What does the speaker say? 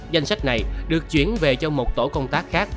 danh sách này được chuyển về cho một tổ công tác khác